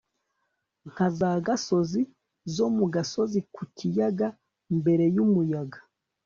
Nka za gasozi zo mu gasozi ku kiyaga mbere yumuyaga